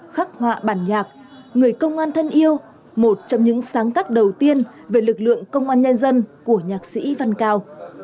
khắc họa bản nhạc người công an thân yêu một trong những sáng tác đầu tiên về lực lượng công an nhân dân của nhạc sĩ văn cao